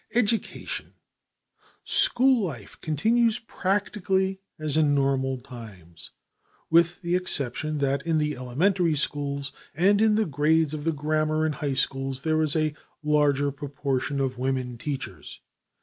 ] Education School life continues practically as in normal times, with the exception that, in the elementary schools and in the grades of the grammar and high schools, there is a larger proportion of women teachers.